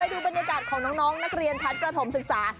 ดูบรรยากาศของน้องนักเรียนชั้นประถมศึกษา